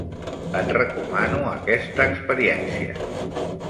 Et recomano aquesta experiència.